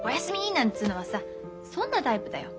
なんつうのはさ損なタイプだよ。